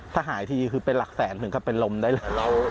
ถ้าหายทีคือเป็นหลักแสนถึงกับเป็นลมได้เลย